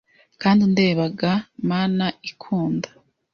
Kandi undeba ga Mana ikunda!